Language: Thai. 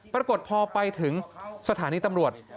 ปรากฏพอไปถึงสถานีตำรวจ